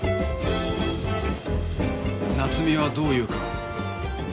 夏美はどう言うか